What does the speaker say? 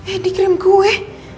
eh dikirim kue